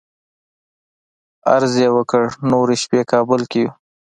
عرض یې وکړ نورې شپې کابل کې یو.